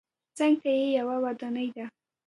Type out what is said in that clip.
څنګ ته یې یوه ودانۍ ده.